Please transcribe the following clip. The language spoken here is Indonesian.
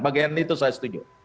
bagian itu saya setuju